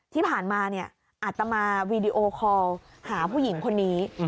ที่ผ่านมาเนี่ยอาตมาวีดีโอคอลหาผู้หญิงคนนี้